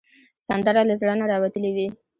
سندره له زړه نه راوتلې وي